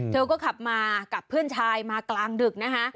เธอก็ขับมากับเพื่อนชายมากลางดึกนะคะ